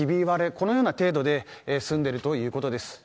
この程度の被害で済んでいるということです。